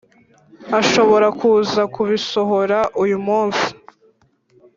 Ashobora kuza kubisohora uyumunsi